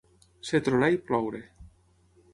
Ser tronar i ploure.